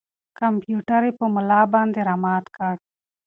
کمپیوټر یې په ملا باندې را مات کړ.